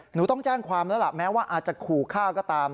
หนูต้องแจ้งความแล้วล่ะแม้ว่าอาจจะขู่ฆ่าก็ตาม